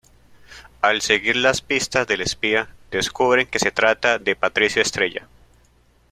Al seguir las pistas del espía, descubren que se trata de Patricio Estrella.